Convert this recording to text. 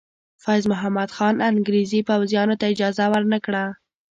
فیض محمد خان انګریزي پوځیانو ته اجازه ور نه کړه.